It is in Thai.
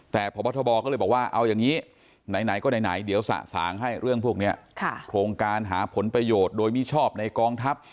แต่พบทบก็เลยบอกว่าเอาอย่างนี้ไหนก็ไหนเดี๋ยวสะสางให้เรื่องพวกนี้โครงการหาผลประโยชน์โดยมิชอบในกองทัพ